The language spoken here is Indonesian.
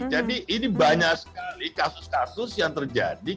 jadi ini banyak sekali kasus kasus yang terjadi